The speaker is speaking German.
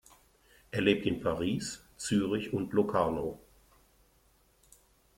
Er lebt in Paris, Zürich und Locarno.